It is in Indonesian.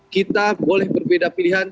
kita boleh berbeda pilihan